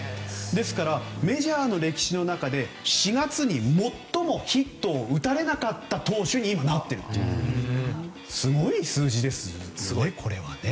ですから、メジャーの歴史の中で４月に最もヒットを打たれなかった投手になっているというすごい数字ですよね、これは。